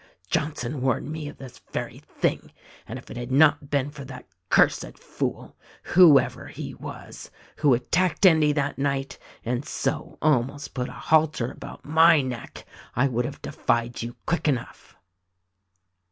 Johnson warned me of this very thing; and if it had not been for that cursed fool — whoever he was — who attacked Endy that night — and so, almost put a halter about my neck — I would have defied you quick enough."